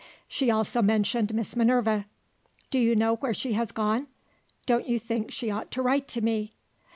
She also mentioned Miss Minerva. "Do you know where she has gone? Don't you think she ought to write to me?"